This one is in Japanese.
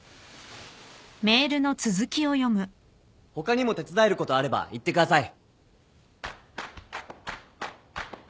「他にも手伝えることあれば言ってください！」